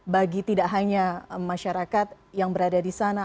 bagi tidak hanya masyarakat yang berada di sana